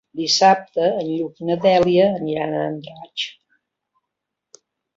Dissabte en Lluc i na Dèlia aniran a Andratx.